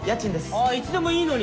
ああいつでもいいのに。